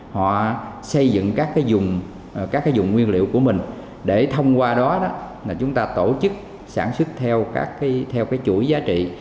họ xây dựng các dùng nguyên liệu của mình để thông qua đó chúng ta tổ chức sản xuất theo chuỗi giá trị